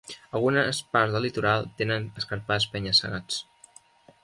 Algunes parts del litoral tenen escarpats penya-segats.